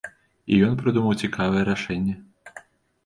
І ён прыдумаў цікавае рашэнне.